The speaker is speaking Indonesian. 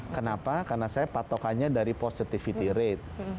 kenapa karena saya patokannya dari positivity rate